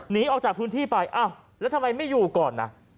หนีออกจากพื้นที่ไปอ้าวแล้วทำไมไม่อยู่ก่อนนะ